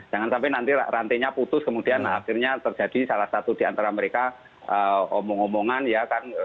jangan sampai nanti rantainya putus kemudian akhirnya terjadi salah satu diantara mereka omong omongan ya kan